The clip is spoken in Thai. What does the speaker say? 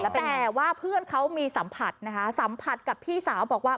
แต่ว่าเพื่อนเขามีสัมผัสนะคะสัมผัสกับพี่สาวบอกว่า